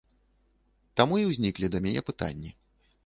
Таму і ўзніклі да мяне пытанні.